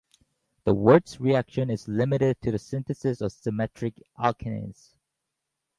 The Wurtz reaction is limited to the synthesis of symmetric alkanes.